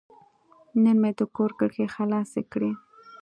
نن مې د کور کړکۍ خلاصې کړې.